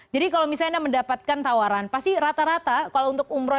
jadi kalau misalnya anda mendapatkan tawaran pasti rata rata kalau untuk umroh